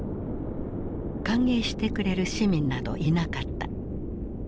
歓迎してくれる市民などいなかった。